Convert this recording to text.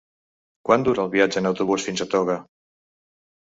Quant dura el viatge en autobús fins a Toga?